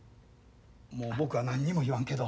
もう僕は何にも言わんけど。